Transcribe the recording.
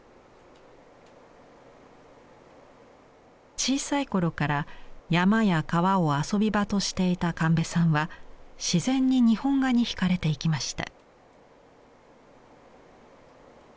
小さい頃から山や川を遊び場としていた神戸さんは自然に日本画にひかれていきました。